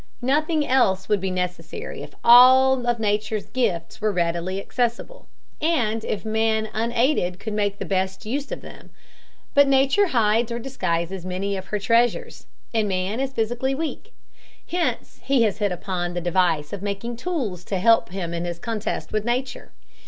Nothing else would be necessary if all of Nature's gifts were readily accessible, and if man unaided could make the best use of them. But Nature hides or disguises many of her treasures, and man is physically weak. Hence he has hit upon the device of making tools to help him in his contest with Nature.